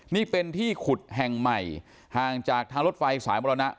นี่เป็นที่ขุดแห่งใหม่ห่างจากทางรถไฟสายมรณะ